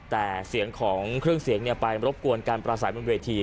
แต่เสียงของเครื่องเสียงไปรบกวนการประสัยบนเวที